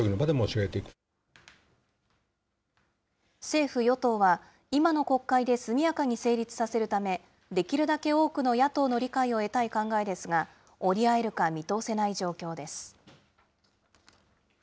政府・与党は、今の国会で速やかに成立させるため、できるだけ多くの野党の理解を得たい考えですが、折り合えるか見通せない状況です。